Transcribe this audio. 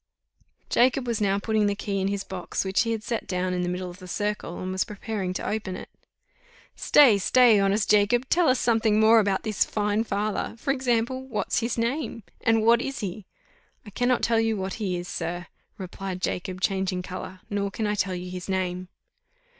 Jacob was now putting the key in his box, which he had set down in the middle of the circle, and was preparing to open it. "Stay, stay, honest Jacob! tell us something more about this fine father; for example, what's his name, and what is he?" "I cannot tell you what he is, sir," replied Jacob, changing colour, "nor can I tell you his name."